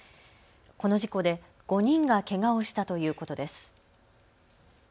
この事故で５人がけがをしたということです。